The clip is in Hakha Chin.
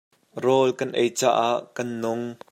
Rawl kan ei caah kan nung.